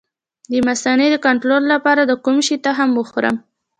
د مثانې د کنټرول لپاره د کوم شي تخم وخورم؟